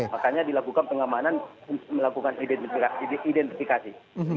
makanya dilakukan pengamanan untuk melakukan identifikasi